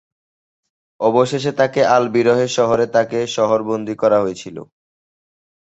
অবশেষে তাকে আল-বীরহে শহরে তাকে শহর-বন্দী করা হয়েছিল।